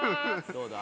「どうだ？」